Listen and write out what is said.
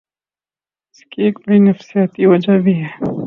اس کی ایک بڑی نفسیاتی وجہ بھی ہے۔